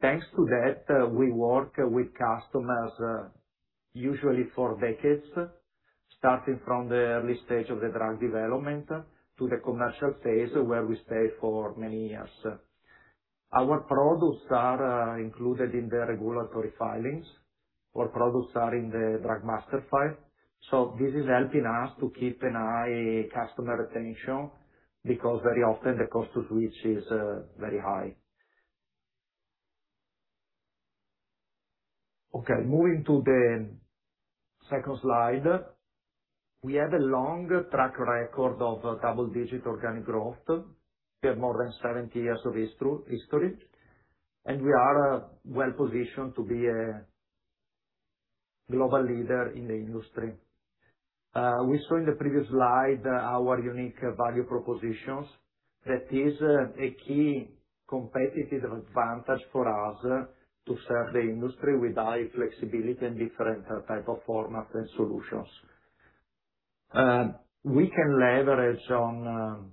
Thanks to that, we work with customers, usually for decades, starting from the early stage of the drug development to the commercial phase where we stay for many years. Our products are included in the regulatory filings. Our products are in the Drug Master File. This is helping us to keep an eye customer retention, because very often the cost to switch is very high. Okay, moving to the second slide. We have a long track record of double-digit organic growth. We have more than 70 years of history, and we are well-positioned to be a global leader in the industry. We saw in the previous slide our unique value propositions. That is a key competitive advantage for us to serve the industry with high flexibility and different type of formats and solutions. We can leverage on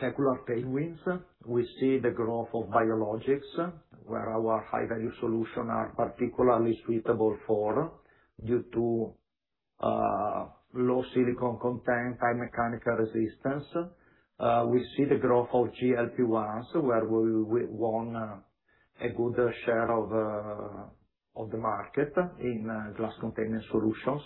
secular tailwinds. We see the growth of biologics, where our high value solution are particularly suitable for due to low silicone content, high mechanical resistance. We see the growth of GLP-1s, where we won a good share of the market in glass container solutions.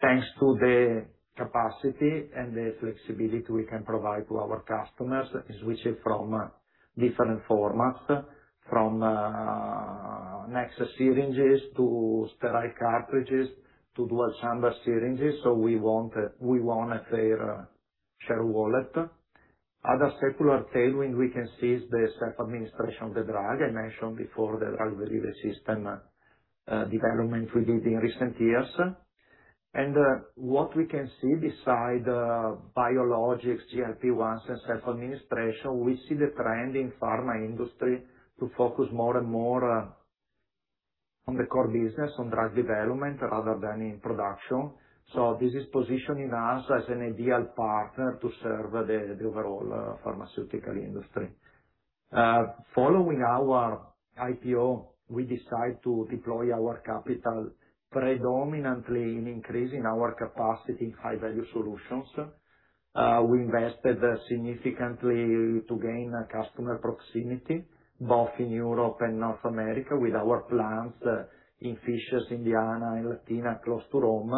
Thanks to the capacity and the flexibility we can provide to our customers, switching from different formats, from Nexa syringes to sterile cartridges to dual chamber syringes. We want a fair share wallet. Other secular tailwind we can see is the self-administration of the drug. I mentioned before the drug delivery system development we did in recent years. What we can see beside biologics, GLP-1s and self-administration, we see the trend in pharma industry to focus more and more on the core business, on drug development rather than in production. This is positioning us as an ideal partner to serve the overall pharmaceutical industry. Following our IPO, we decide to deploy our capital predominantly in increasing our capacity in high value solutions. We invested significantly to gain customer proximity, both in Europe and North America, with our plants in Fishers, Indiana and Latina, close to Rome,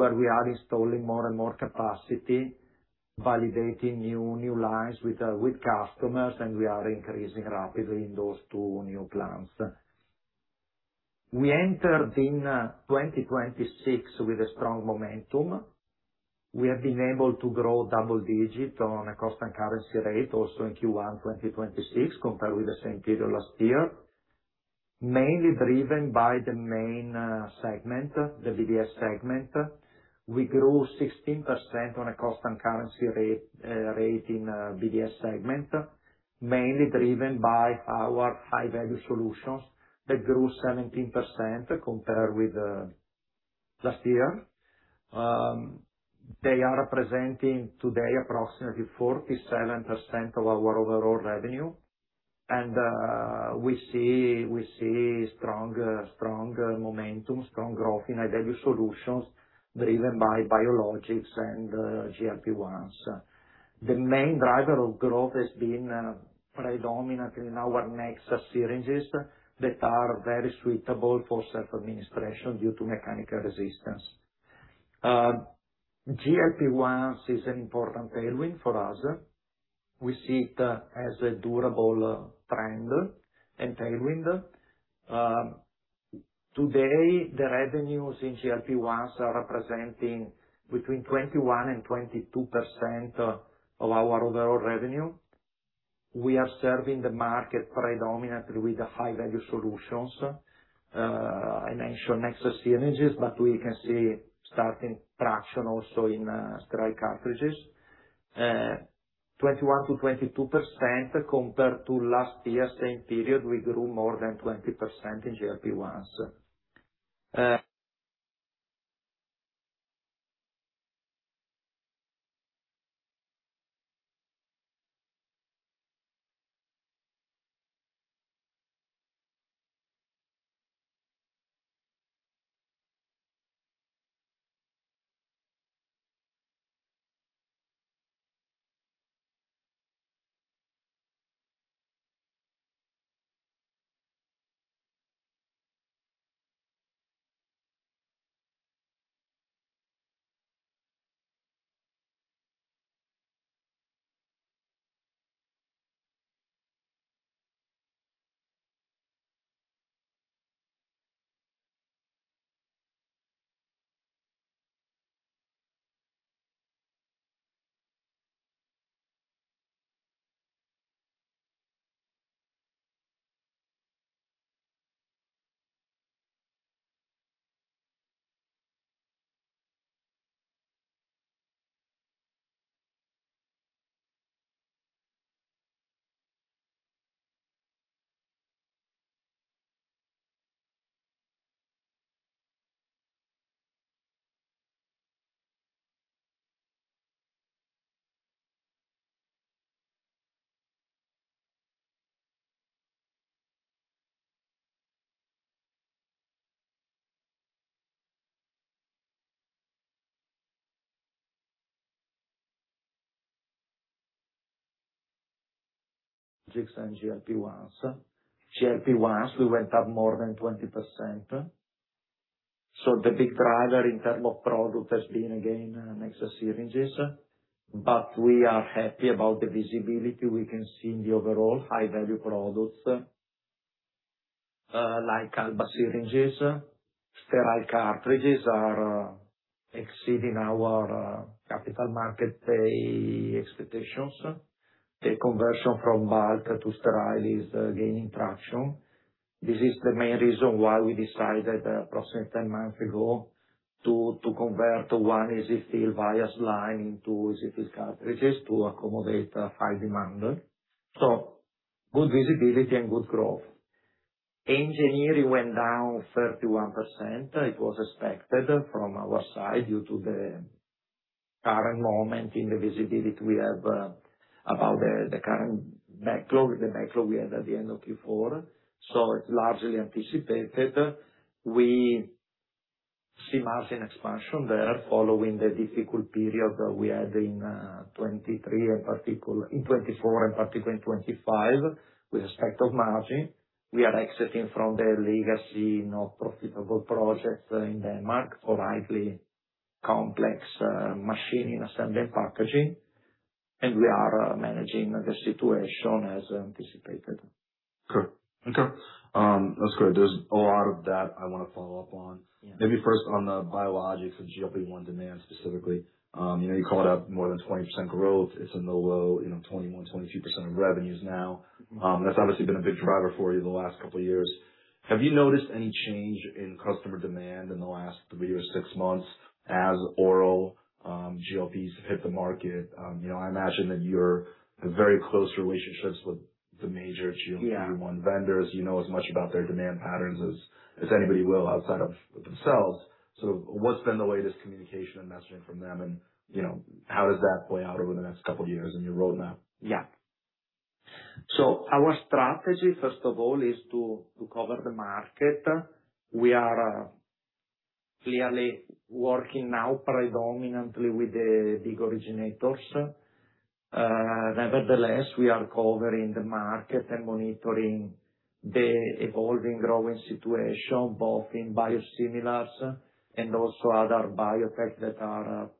where we are installing more and more capacity, validating new lines with customers, and we are increasing rapidly in those two new plants. We entered in 2026 with a strong momentum. We have been able to grow double-digit on a constant currency rate also in Q1 2026 compared with the same period last year, mainly driven by the main segment, the BDS segment. We grew 16% on a constant currency rate in BDS segment, mainly driven by our high value solutions that grew 17% compared with last year. They are representing today approximately 47% of our overall revenue. We see strong momentum, strong growth in high value solutions driven by biologics and GLP-1s. The main driver of growth has been predominantly in our Nexa syringes that are very suitable for self-administration due to mechanical resistance. GLP-1s is an important tailwind for us. We see it as a durable trend and tailwind. Today, the revenues in GLP-1s are representing between 21% and 22% of our overall revenue. We are serving the market predominantly with the high value solutions. I mentioned Nexa syringes, but we can see starting traction also in sterile cartridges. Twenty-one to 22% compared to last year same period, we grew more than 20% in GLP-1s. GLP-1s, we went up more than 20%. The big driver in term of product has been again, Nexa syringes. We are happy about the visibility we can see in the overall high value products, like Alba® syringes. Sterile cartridges are exceeding our capital market expectations. The conversion from bulk to sterile is gaining traction. This is the main reason why we decided approximately 10 months ago to convert one EZ-fill vials line into EZ-fill cartridges to accommodate a high demand. Good visibility and good growth. Engineering went down 31%. It was expected from our side due to the current moment in the visibility we have about the current backlog we had at the end of Q4. It's largely anticipated. We see margin expansion there following the difficult period we had in 2023 and particular in 2024 and particular in 2025 with respect of margin. We are exiting from the legacy, not profitable projects in Denmark for highly complex machining, assembly, and packaging. We are managing the situation as anticipated. Okay. Okay. That's great. There's a lot of that I wanna follow up on. Yeah. Maybe first on the biologics and GLP-1 demand specifically. You know, you called out more than 20% growth. It's in the low, you know, 21%, 22% of revenues now. That's obviously been a big driver for you the last couple years. Have you noticed any change in customer demand in the last three or six months as oral GLPs hit the market? You know, I imagine that you're in very close relationships with the major GLP-. Yeah. 1 vendors. You know as much about their demand patterns as anybody will outside of themselves. What's been the latest communication and messaging from them and, you know, how does that play out over the next couple years in your roadmap? Our strategy, first of all, is to cover the market. We are clearly working now predominantly with the big originators. Nevertheless, we are covering the market and monitoring the evolving growing situation, both in biosimilars and also other biotech that are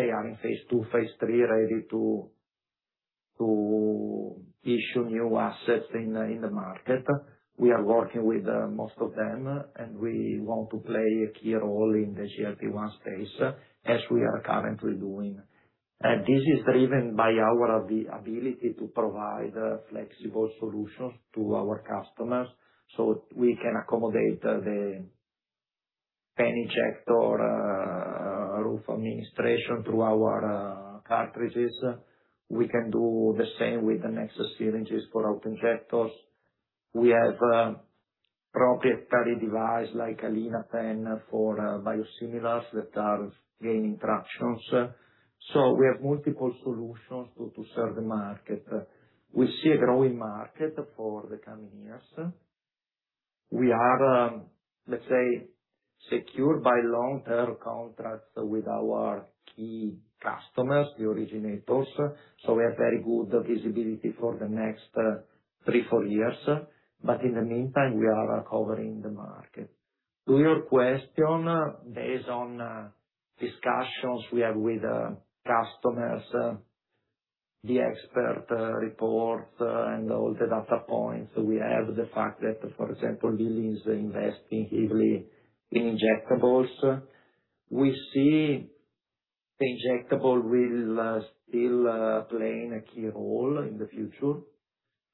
in phase II, phase III, ready to issue new assets in the market. We are working with most of them, and we want to play a key role in the GLP-1s space as we are currently doing. This is driven by our ability to provide flexible solutions to our customers so we can accommodate the pen injector route of administration through our cartridges. We can do the same with the Nexa syringes for auto-injectors. We have proprietary device like Alina Pen for biosimilars that are gaining tractions. We have multiple solutions to serve the market. We see a growing market for the coming years. We are, let's say, secure by long-term contracts with our key customers, the originators. We have very good visibility for the next three, four years. In the meantime, we are covering the market. To your question, based on discussions we have with customers, the expert reports, and all the data points we have, the fact that, for example, Lilly is investing heavily in injectables. We see the injectable will still playing a key role in the future.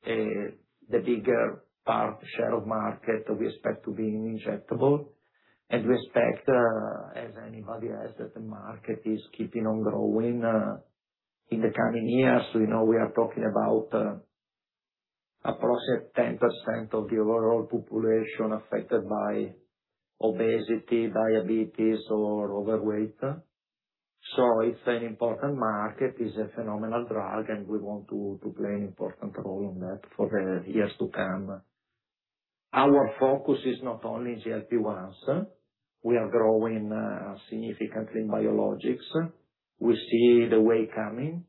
The bigger part, share of market we expect to be injectable. We expect, as anybody else, that the market is keeping on growing in the coming years. We know we are talking about approximately 10% of the overall population affected by obesity, diabetes or overweight. It's an important market, is a phenomenal drug, and we want to play an important role in that for the years to come. Our focus is not only GLP-1s. We are growing significantly in biologics. We see the way coming,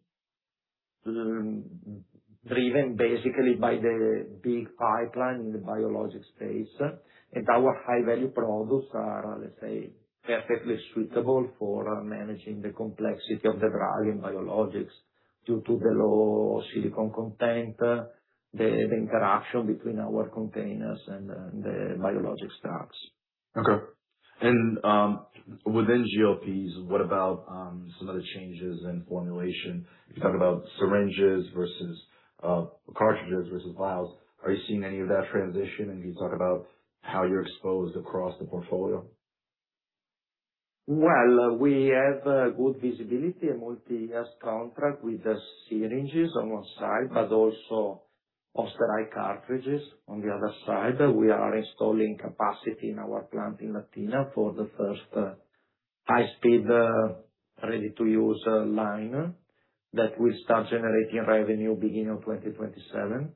driven basically by the big pipeline in the biologic space. Our high value products are, let's say, perfectly suitable for managing the complexity of the drug and biologics due to the low silicone content, the interaction between our containers and the biologic stocks. Okay. And, within GLP-1s, what about some of the changes in formulation? You talk about syringes versus cartridges versus vials. Are you seeing any of that transition? Can you talk about how you're exposed across the portfolio? We have good visibility, a multi-year contract with the syringes on one side, but also the right cartridges. On the other side, we are installing capacity in our plant in Latina for the first high speed, ready-to-use line that will start generating revenue beginning of 2027.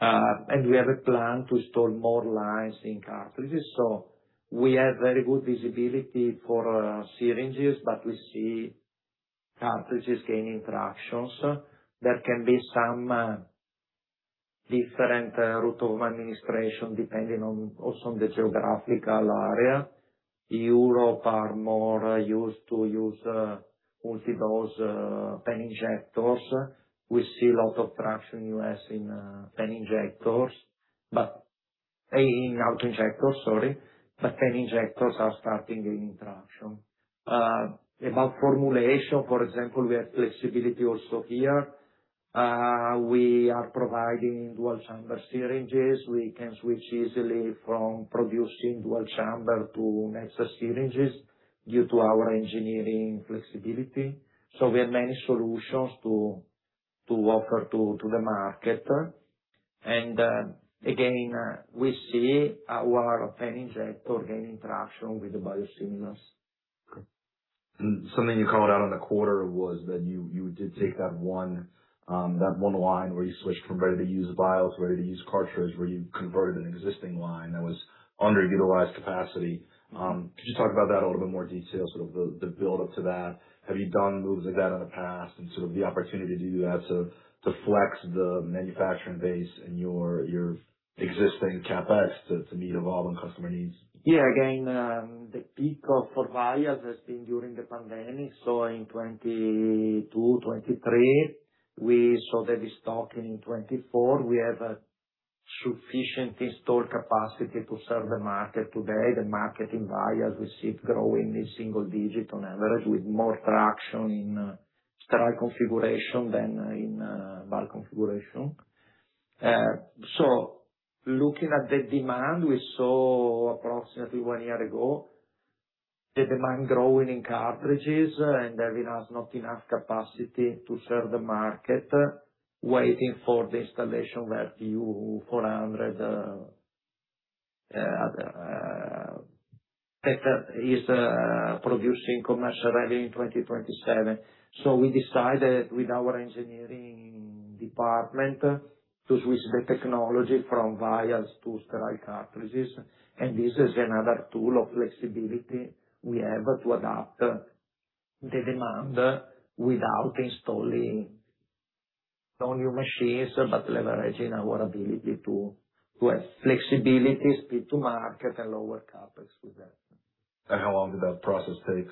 And we have a plan to store more lines in cartridges. We have very good visibility for syringes, but we see cartridges gaining traction. There can be some different route of administration depending on also on the geographical area. Europe are more used to use multi-dose pen injectors. We see a lot of traction U.S. in pen injectors, but in auto-injectors, sorry. Pen injectors are starting gaining traction. About formulation, for example, we have flexibility also here. We are providing dual chamber syringes. We can switch easily from producing dual chamber to Nexa syringes due to our engineering flexibility. We have many solutions to offer to the market. Again, we see our pen injector gaining traction with the biosimilars. Something you called out on the quarter was that you did take that one, that one line where you switched from ready-to-use vials, ready-to-use cartridge, where you converted an existing line that was underutilized capacity. Could you talk about that a little bit more detail, sort of the build up to that? Have you done moves like that in the past and sort of the opportunity to do that to flex the manufacturing base and your existing CapEx to meet evolving customer needs? Yeah. Again, the peak of suppliers has been during the pandemic. In 2022, 2023, we saw the destocking. In 2024, we have a sufficient installed capacity to serve the market today. The market in buyers we see it growing in single-digit on average with more traction in sterile configuration than in bulk configuration. Looking at the demand, we saw approximately one year ago, the demand growing in cartridges and having us not enough capacity to serve the market, waiting for the installation where 400 is producing commercial revenue in 2027. We decided with our engineering department to switch the technology from vials to sterile cartridges. This is another tool of flexibility we have to adapt the demand without installing no new machines, but leveraging our ability to have flexibility, speed to market and lower CapEx with that. How long did that process take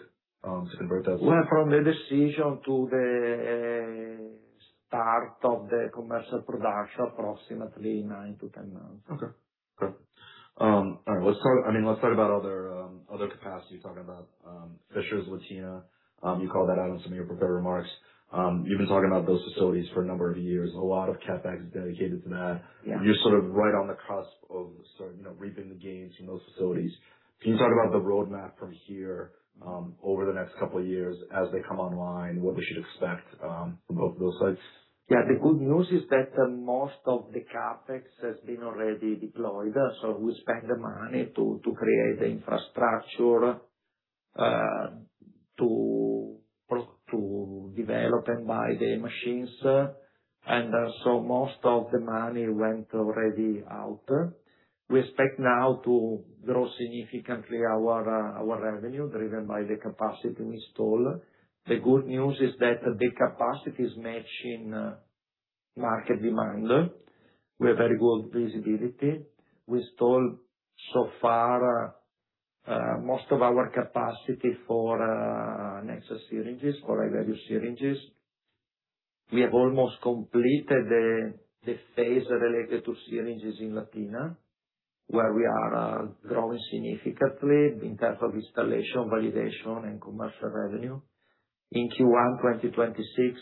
to convert that? Well, from the decision to the start of the commercial production, approximately nine to 10 months. Okay. Great. all right. I mean, let's talk about other capacity. You're talking about, Fishers, Latina, you called that out on some of your prepared remarks. You've been talking about those facilities for a number of years. A lot of CapEx is dedicated to that. Yeah. You're sort of right on the cusp of sort of, you know, reaping the gains from those facilities. Can you talk about the roadmap from here, over the next couple of years as they come online, what we should expect, from both of those sites? Yeah. The good news is that most of the CapEx has been already deployed. We spent the money to create the infrastructure, to develop and buy the machines. Most of the money went already out. We expect now to grow significantly our revenue driven by the capacity we install. The good news is that the capacity is matching market demand. We have very good visibility. We installed so far most of our capacity for Nexa syringes or high-value syringes. We have almost completed the phase related to syringes in Latina, where we are growing significantly in terms of installation, validation and commercial revenue. In Q1 2026,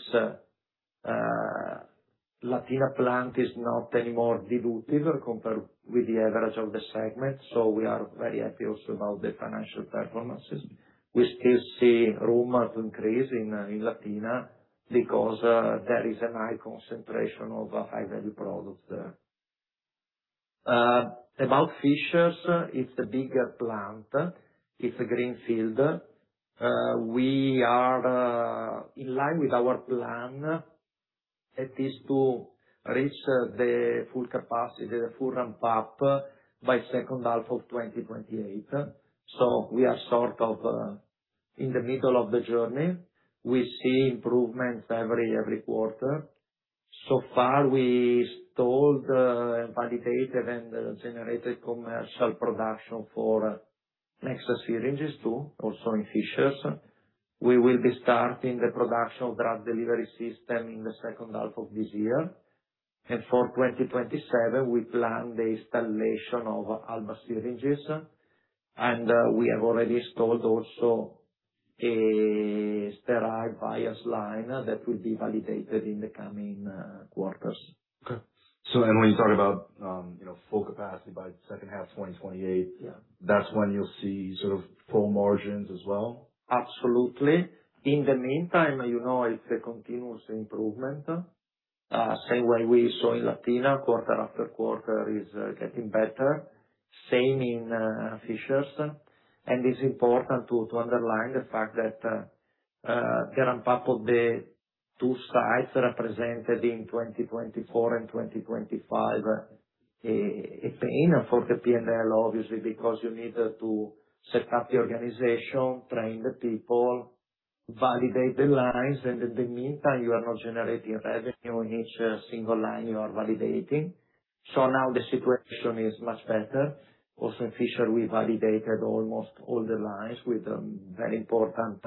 Latina plant is not anymore dilutive compared with the average of the segment. We are very happy also about the financial performances. We still see room of increase in Latina because there is a high concentration of high-value products there. About Fishers, it's a bigger plant. It's a greenfield. We are in line with our plan. It is to reach the full capacity, the full ramp up by second half of 2028. We are sort of in the middle of the journey. We see improvements every quarter. So far, we installed and validated and generated commercial production for Nexa syringes too, also in Fishers. We will be starting the production of drug delivery system in the second half of this year. For 2027, we plan the installation of Alba® syringes. We have already installed also a sterile vials line that will be validated in the coming quarters. Okay. When you talk about, you know, full capacity by the second half 2028- Yeah. That's when you'll see sort of full margins as well? In the meantime, you know, it's a continuous improvement. Same way we saw in Latina quarter after quarter is getting better. Same in Fishers. It's important to underline the fact that the two sites represented in 2024 and 2025 a pain for the PNL, obviously, because you need to set up the organization, train the people, validate the lines, and in the meantime, you are not generating revenue in each single line you are validating. Now the situation is much better. Also in Fishers, we validated almost all the lines with very important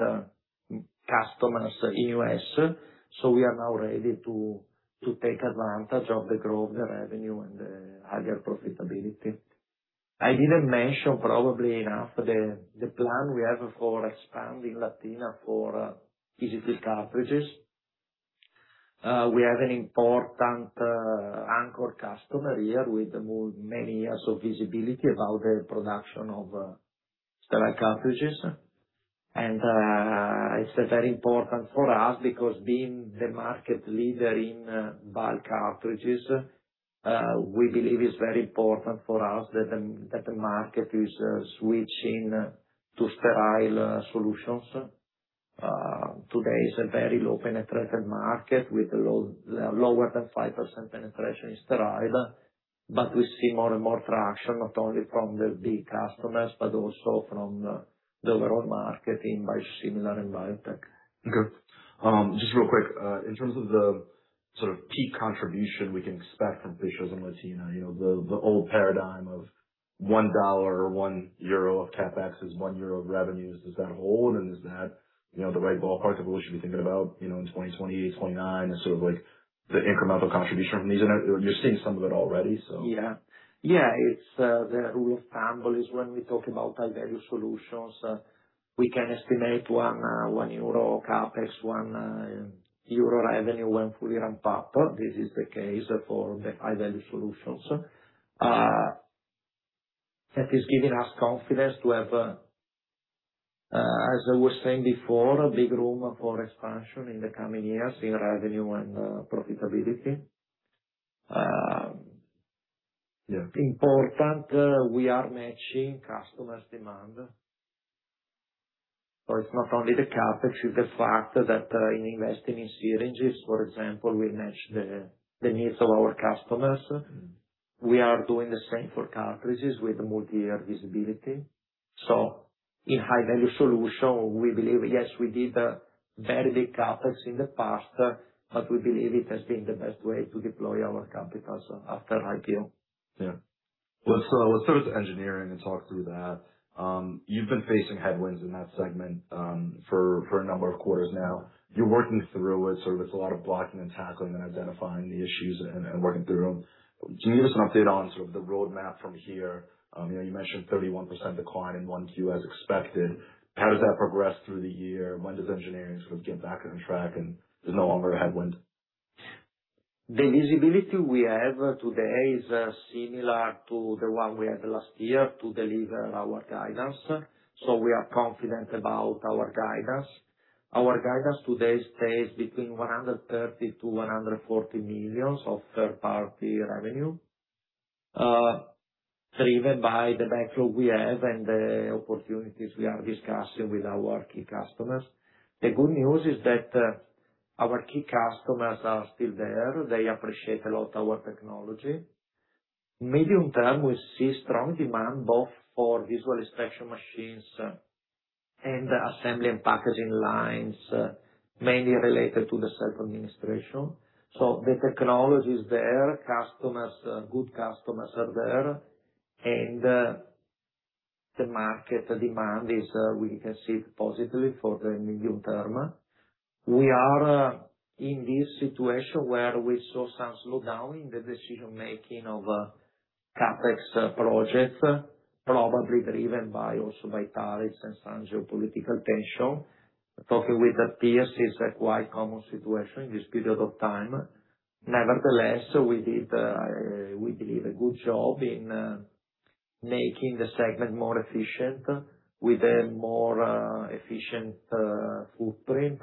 customers in U.S. We are now ready to take advantage of the growth, the revenue, and higher profitability. I didn't mention probably enough the plan we have for expanding Latina for glass cartridges. We have an important anchor customer here with many years of visibility about the production of sterile cartridges. It's very important for us because being the market leader in bulk cartridges, we believe it's very important for us that the, that the market is switching to sterile solutions. Today is a very low penetrated market with low, lower than 5% penetration in sterile. We see more and more traction, not only from the big customers, but also from the overall market in biosimilar and biotech. Okay. Just real quick, in terms of the sort of key contribution we can expect from Fishers and Latina, you know, the old paradigm of EUR 1 or 1 euro of CapEx is 1 euro of revenues. Does that hold? Is that, you know, the right ballpark of what we should be thinking about, you know, in 2028, 2029, and sort of like the incremental contribution from these? You're seeing some of it already. Yeah, it's, the rule of thumb is when we talk about high-value solutions, we can estimate 1 euro CapEx, 1 euro revenue when fully ramped up. This is the case for the high-value solutions. That is giving us confidence to have, as I was saying before, a big room for expansion in the coming years in revenue and profitability. Important, we are matching customers' demand. It's not only the CapEx, it's the fact that, in investing in syringes, for example, we match the needs of our customers. We are doing the same for cartridges with multi-year visibility. In high-value solution, we believe, yes, we did a very big CapEx in the past, but we believe it has been the best way to deploy our capitals after IPO. Yeah. Let's turn to engineering and talk through that. You've been facing headwinds in that segment for a number of quarters now. You're working through it, sort of it's a lot of blocking and tackling and identifying the issues and working through them. Can you give us an update on sort of the roadmap from here? You know, you mentioned 31% decline in 1Q as expected. How does that progress through the year? When does engineering sort of get back on track and there's no longer a headwind? The visibility we have today is similar to the one we had last year to deliver our guidance. We are confident about our guidance. Our guidance today stays between 130 million-140 million of third-party revenue, driven by the backlog we have and the opportunities we are discussing with our key customers. The good news is that our key customers are still there. They appreciate a lot our technology. Medium term, we see strong demand both for visual inspection machines and assembly and packaging lines, mainly related to the self-administration. The technology is there, customers, good customers are there, and the market demand is we can see it positively for the medium term. We are in this situation where we saw some slowdown in the decision-making of CapEx projects, probably driven by also by tariffs and some geopolitical tension. Talking with the peers is a quite common situation this period of time. We did a good job in making the segment more efficient with a more efficient footprint,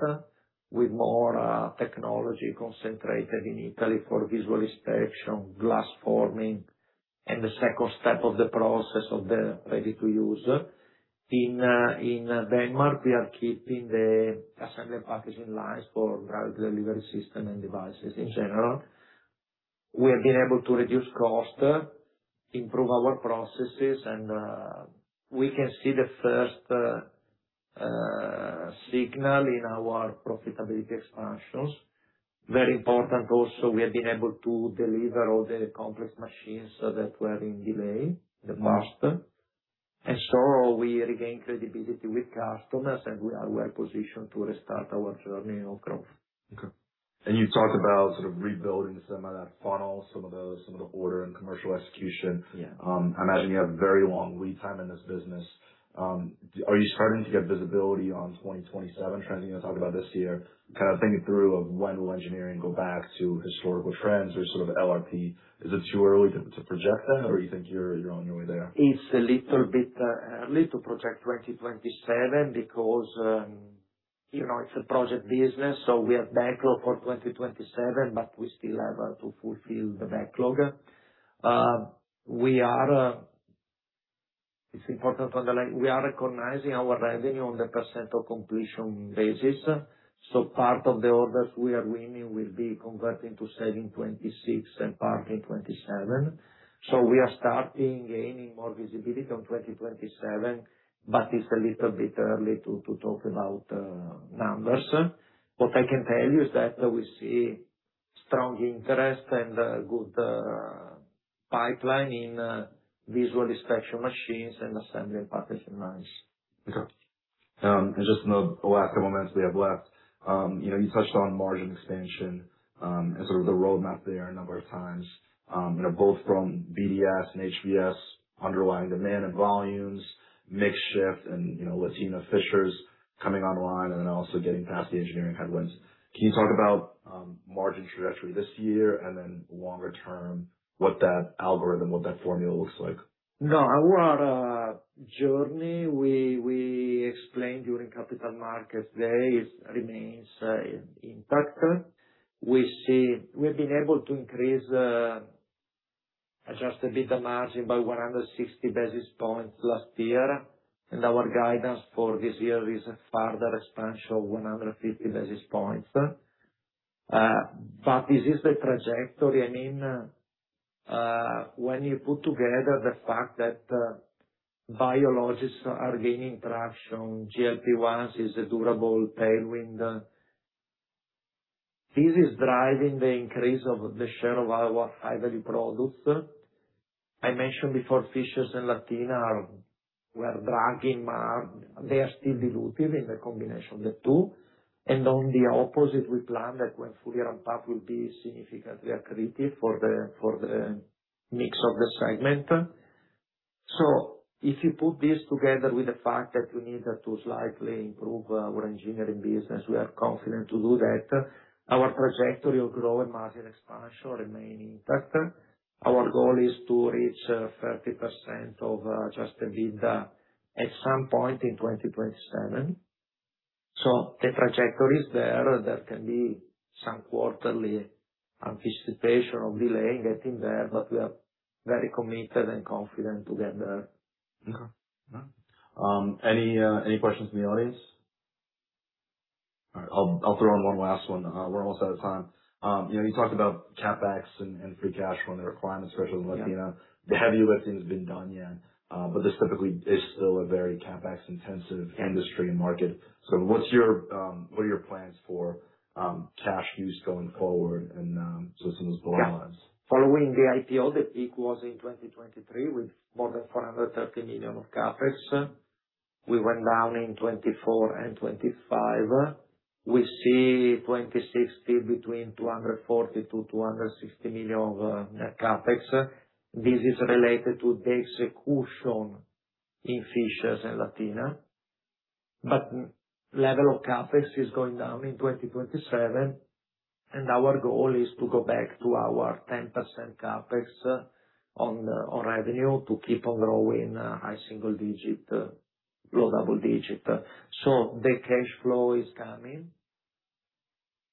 with more technology concentrated in Italy for visual inspection, glass forming, and the second step of the process of the ready-to-use. In Denmark, we are keeping the assembly and packaging lines for drug delivery system and devices in general. We have been able to reduce cost, improve our processes, and we can see the first signal in our profitability expansions. Very important also, we have been able to deliver all the complex machines that were in delay in the past. We regain credibility with customers, and we are well positioned to restart our journey of growth. Okay. You talked about sort of rebuilding some of that funnel, some of the order and commercial execution. Yeah. I imagine you have very long lead time in this business. Are you starting to get visibility on 2027 trends you're gonna talk about this year? Kind of thinking through of when will engineering go back to historical trends or sort of LRP. Is it too early to project that, or you think you're on your way there? It's a little bit early to project 2027 because, you know, it's a project business, so we have backlog for 2027, but we still have to fulfill the backlog. It's important to underline, we are recognizing our revenue on the percentage-of-completion basis. Part of the orders we are winning will be converting to saving 2026 and part in 2027. We are starting gaining more visibility on 2027, but it's a little bit early to talk about numbers. What I can tell you is that we see strong interest and good pipeline in visual inspection machines and assembly and packaging lines. Just in the last couple minutes we have left, you know, you touched on margin expansion and sort of the roadmap there a number of times, you know, both from BDS and HBS underlying demand and volumes, mix shift and, you know, Latina Fishers coming online and then also getting past the engineering headwinds. Can you talk about margin trajectory this year and then longer term, what that algorithm, what that formula looks like? No, our journey, we explained during Capital Markets Day it remains intact. We've been able to increase adjusted EBITDA margin by 160 basis points last year, and our guidance for this year is a further expansion of 150 basis points. This is the trajectory. I mean, when you put together the fact that biologics are gaining traction, GLP-1 is a durable tailwind. This is driving the increase of the share of our high-value products. I mentioned before, Fishers and Latina were dragging. They are still dilutive in the combination of the two. On the opposite, we plan that when fully ramped up will be significantly accretive for the mix of the segment. If you put this together with the fact that we need to slightly improve our engineering business, we are confident to do that. Our trajectory of growing margin expansion remain intact. Our goal is to reach 30% of adjusted EBITDA at some point in 2027. The trajectory is there. There can be some quarterly anticipation or delay in getting there, but we are very committed and confident to get there. Okay. Any questions from the audience? All right, I'll throw in one last one. We're almost out of time. You know, you talked about CapEx and free cash flow and the requirement, especially with Latina. Yeah. The heavy lifting has been done, yeah. This typically is still a very CapEx-intensive industry and market. What are your plans for cash use going forward and sort of some of those balance? Following the IPO, the peak was in 2023 with more than 430 million of CapEx. We went down in 2024 and 2025. We see 2026 between 240 million-260 million of CapEx. This is related to the execution in Fishers and Latina. Level of CapEx is going down in 2027, and our goal is to go back to our 10% CapEx on revenue to keep on growing high-single-digit, low-double-digit. The cash flow is coming.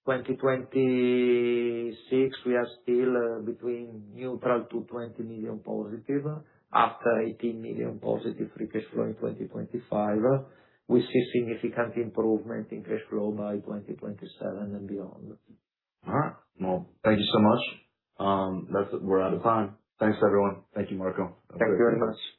2026, we are still between neutral to 20 million+ after 18 million+ free cash flow in 2025. We see significant improvement in cash flow by 2027 and beyond. All right. Well, thank you so much. That's it. We're out of time. Thanks, everyone. Thank you, Marco. Thank you very much. Thanks.